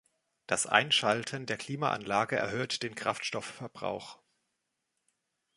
Das Einschalten der Klimaanlage erhöht den Kraftstoffverbrauch.